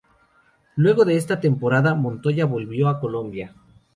Luego de esa temporada, Montoya volvió a Colombia.